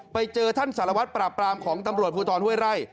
ไปเจอท่านสารวัตรปราบปรามของตำรวจภูทรห้วยไร่